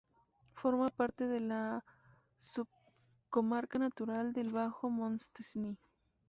Forma parte de la subcomarca natural del Bajo Montseny.